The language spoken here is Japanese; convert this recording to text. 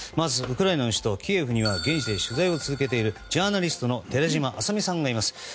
ウクライナの首都キエフには現地で取材を続けているジャーナリストの寺島朝海さんがいます。